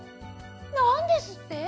なんですって！？